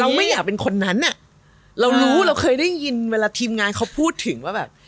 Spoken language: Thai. ไม่อยากเป็นคนนั้นอ่ะเรารู้เราเคยได้ยินเวลาทีมงานเขาพูดถึงว่าแบบ